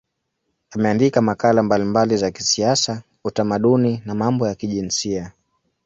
Ameandika makala mbalimbali za kisiasa, utamaduni na mambo ya kijinsia.